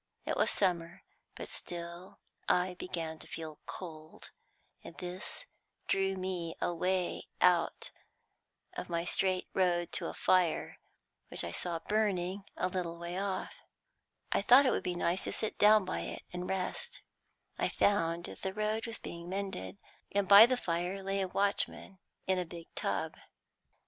It was summer, but still I began to feel cold, and this drew me away out of my straight road to a fire which I saw burning a little way off. I thought it would be nice to sit down by it and rest. I found that the road was being mended, and by the fire lay a watchman in a big tub.